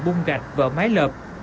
bung gạch vỡ mái lợp